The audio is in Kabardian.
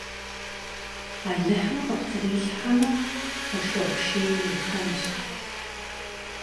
Alıhım khıptrilhheme, foşşığu şşêy vuêfenş.